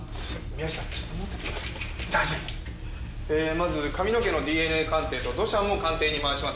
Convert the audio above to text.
まず髪の毛のＤＮＡ鑑定と土砂も鑑定に回します。